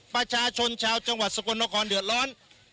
ประชาชนชาวจังหวัดสกลนครเดือดร้อน